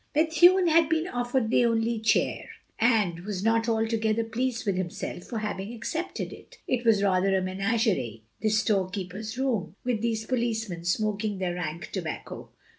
Bethune had been offered the only chair, and was not altogether pleased with himself for having accepted it. It was rather a menagerie, this storekeeper's room, with these policemen smoking their rank tobacco.